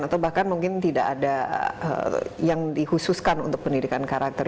atau bahkan mungkin tidak ada yang dikhususkan untuk pendidikan karakter